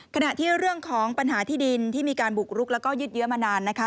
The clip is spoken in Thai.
ขณะที่เรื่องของปัญหาที่ดินที่มีการบุกรุกแล้วก็ยืดเยอะมานานนะคะ